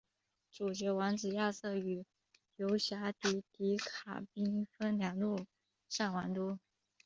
主角王子亚瑟与游侠迪迪卡兵分两路上王都。